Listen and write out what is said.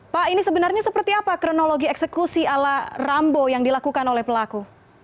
pak ini sebenarnya seperti apa kronologi eksekusi ala rambo yang dilakukan oleh pelaku